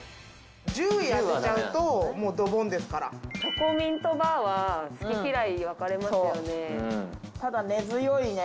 １０位当てちゃうともうドボチョコミントバーは、好き嫌い、分かれますよね。